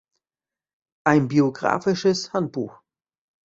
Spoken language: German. Ein biographisches Handbuch".